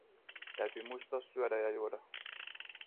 Täytyy muistaa syödä ja juoda.